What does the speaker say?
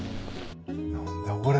何だこれ。